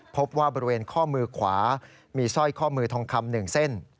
พบว่าบริเวณข้อมือขวามีสร้อยข้อมือทองคำ๑เส้น